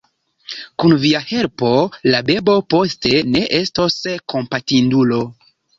Kun via helpo la bebo poste ne estos kompatindulo.